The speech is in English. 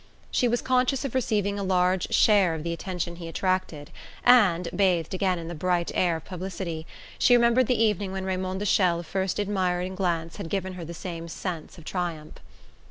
She was conscious of receiving a large share of the attention he attracted, and, bathed again in the bright air of publicity, she remembered the evening when Raymond de Chelles' first admiring glance had given her the same sense of triumph.